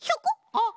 あっ。